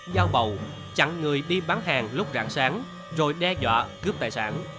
dao bầu chặn người đi bán hàng lúc rạng sáng rồi đe dọa cướp tài sản